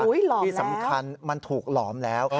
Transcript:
ที่สำคัญมันถูกหลอมแล้ว